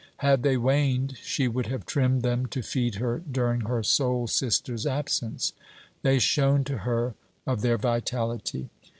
Had they waned she would have trimmed them to feed her during her soul sister's absence. They shone to her of their vitality.